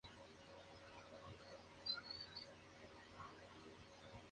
Estos son símbolos no oficiales de la ciudad donde está establecido el club.